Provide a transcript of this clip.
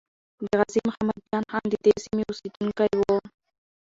د غازی محمد جان خان ددې سیمې اسیدونکی وو.